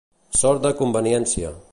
Sord de conveniència.